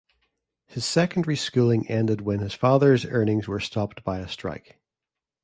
His secondary schooling ended when his father's earnings were stopped by a strike.